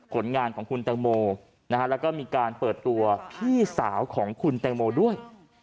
ผลงานของคุณแตงโมแล้วก็มีการเปิดตัวพี่สาวของคุณแตงโมด้วย